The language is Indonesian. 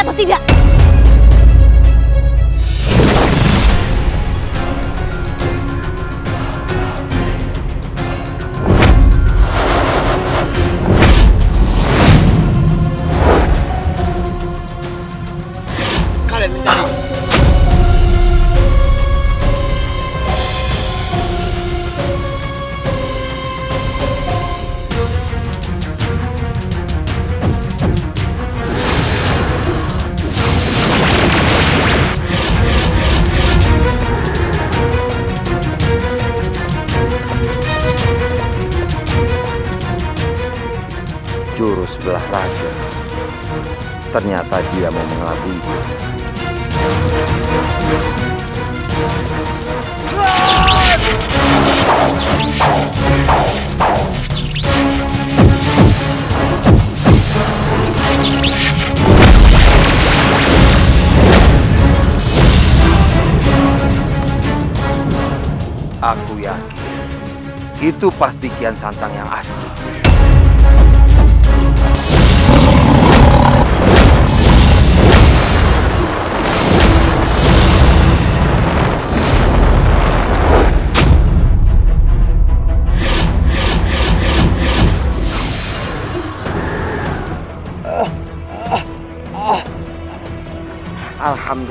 baiklah kalau itu keinginanmu